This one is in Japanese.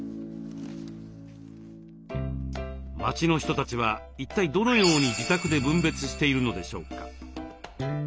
町の人たちは一体どのように自宅で分別しているのでしょうか。